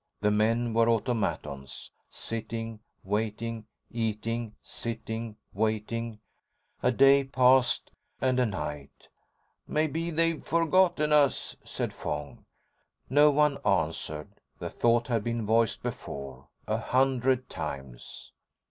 The men were automatons, sitting, waiting, eating, sitting, waiting. A day passed, and a night. "Maybe they've forgotten us," said Fong. No one answered. The thought had been voiced before, a hundred times.